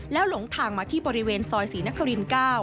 แล้วหลงทางมาที่บริเวณซอยศรีนคริน๙